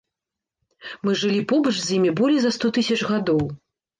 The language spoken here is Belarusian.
Мы жылі побач з імі болей за сто тысяч гадоў.